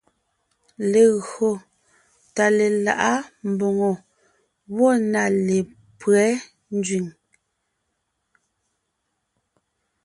Legÿo tà lelaʼá mbòŋo gwɔ̂ na lépÿɛ́ nzẅìŋ.